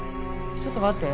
ちょっと待って。